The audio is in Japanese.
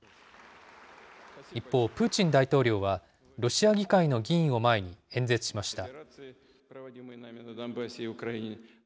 一方、プーチン大統領は、ロシア議会の議員を前に演説しました。